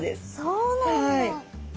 そうなんだ。